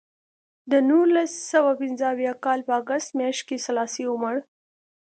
د نولس سوه پنځه اویا کال په اګست میاشت کې سلاسي ومړ.